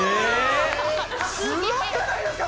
すごくないですか